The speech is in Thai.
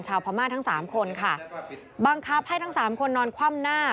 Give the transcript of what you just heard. พม่าทั้งสามคนค่ะบังคับให้ทั้งสามคนนอนคว่ำหน้า